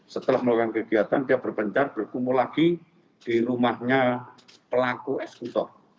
setelah melakukan kegiatan dia berpencar berkumpul lagi di rumahnya pelaku eksekutor